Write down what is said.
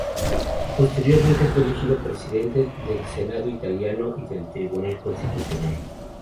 Posteriormente fue elegido presidente del Senado italiano y del Tribunal Constitucional.